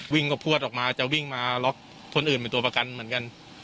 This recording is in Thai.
กับพวดออกมาจะวิ่งมาล็อกคนอื่นเป็นตัวประกันเหมือนกัน